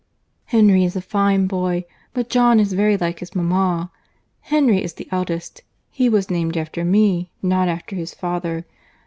"Henry is a fine boy, but John is very like his mama. Henry is the eldest, he was named after me, not after his father.